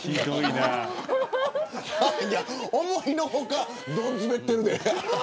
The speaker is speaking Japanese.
思いのほかどんずべってるで。